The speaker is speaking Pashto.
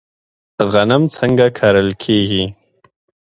غنم څنګه کرل کیږي؟